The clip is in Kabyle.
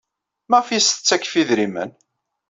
Maɣef ay as-tettakf idrimen?